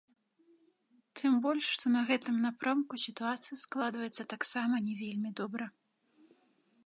Тым больш што на гэтым напрамку сітуацыя складваецца таксама не вельмі добра.